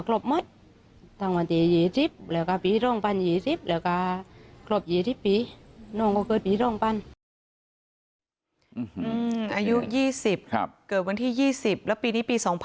เกิดวันที่๒๐แล้วปีนี้ปี๒๐๒๐เหมือนกัน